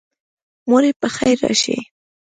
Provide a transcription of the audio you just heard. موري پخیر راشي